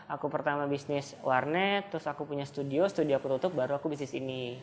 aku pertama bisnis warnet terus aku punya studio studio aku tutup baru aku bisnis ini